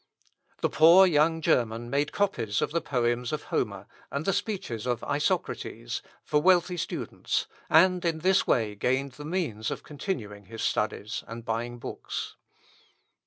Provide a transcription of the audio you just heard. The poor young German made copies of the poems of Homer, and the speeches of Isocrates, for wealthy students, and in this way gained the means of continuing his studies and buying books.